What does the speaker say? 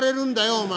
お前」。